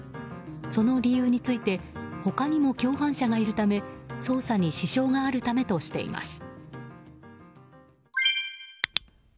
その理由について他にも共犯者がいるため捜査に支障があるためとしています。